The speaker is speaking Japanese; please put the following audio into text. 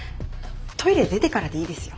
トイレ出てからでいいですよ。